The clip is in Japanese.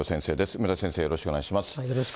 梅田先生、よろしくお願いします。